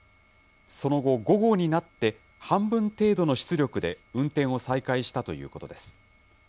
その後、午後になって半分程度の出力で運転を再開したということです。